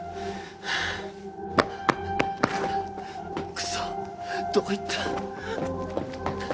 クソどこ行った！？